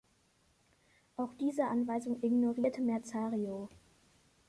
Auch diese Anweisung ignorierte Merzario.